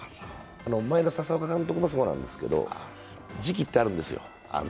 前の笹岡監督もそうなんですけど、時期ってあるんですよ。